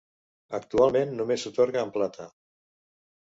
Actualment només s'atorga en plata.